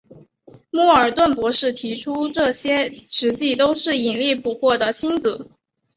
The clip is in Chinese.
莫尔顿博士提出这些实际都是引力捕获的星子。